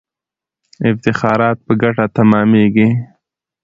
افتخارات په ګټه تمامیږي.